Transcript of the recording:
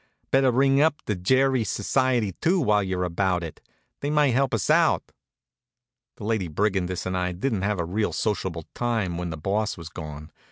"Better ring up the Gerry Society, too, while you're about it. They might help us out." The Lady Brigandess and I didn't have a real sociable time while the Boss was gone.